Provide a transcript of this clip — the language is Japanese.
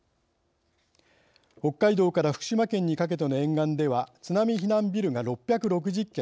北海道から福島県にかけての沿岸では津波避難ビルが６６０件